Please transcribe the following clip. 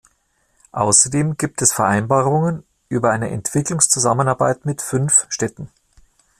Außerdem gibt es Vereinbarungen über eine Entwicklungszusammenarbeit mit fünf Städten.